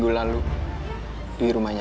gue udah tau semua